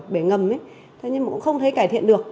bể ngầm ấy thế nhưng mà cũng không thấy cải thiện được